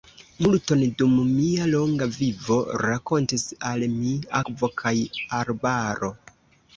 Multon dum mia longa vivo rakontis al mi akvo kaj arbaro!